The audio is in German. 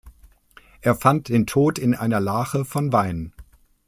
Er fand den Tod in einer Lache von Wein.